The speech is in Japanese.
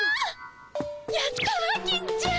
やったわ金ちゃん！